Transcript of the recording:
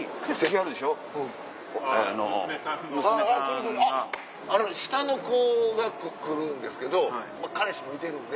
あの下の子が来るんですけどまぁ彼氏もいてるんで。